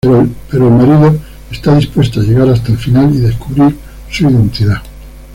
Pero, el marido está dispuesto a llegar hasta el final y descubrir su identidad...